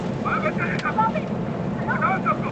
چي ډوډۍ راوړم یارانو ته تیاره !.